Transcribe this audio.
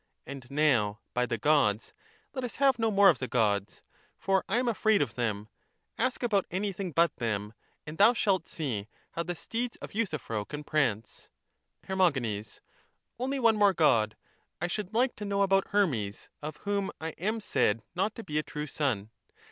And now, by the Gods, let us have no more of the Gods, for I am afraid of them ; ask about anything but them, and thou shalt see how the steeds of Euthyphro can prance. Ht r. Only one more God ! I should like to know about Hermes, of whom I am said not to be a true son.